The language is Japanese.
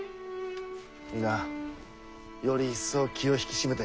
皆より一層気を引き締めてかかられよ。